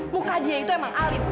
muka dia itu emang alif